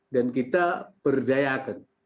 dan kita berdayakan